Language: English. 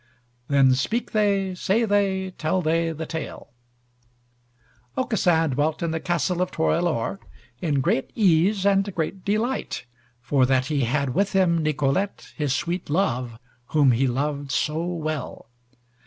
Then speak they, say they, tell they the Tale: Aucassin dwelt in the castle of Torelore, in great ease and great delight, for that he had with him Nicolete his sweet love, whom he loved so well.